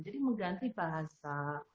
jadi mengganti bahasa